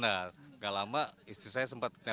nah gak lama istri saya sempat tanya